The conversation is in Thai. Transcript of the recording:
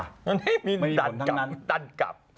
แล้วทั้งนั้น